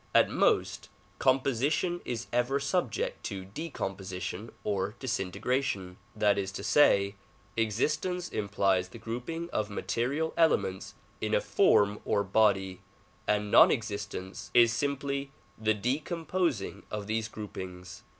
At most, composition is ever subject to decomposition or disintegration ; that is to say, existence implies the grouping of material elements in a form or body, and non existence is simply the de composing of these groupings.